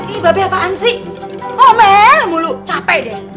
ini babi apaan sih komel mulu capek deh